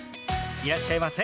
いらっしゃいませ。